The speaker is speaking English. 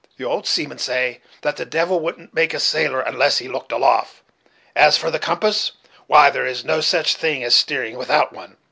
The old seamen say, 'that the devil wouldn't make a sailor, unless he looked aloft' As for the compass, why, there is no such thing as steering without one.